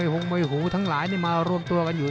หงมวยหูทั้งหลายมารวมตัวกันอยู่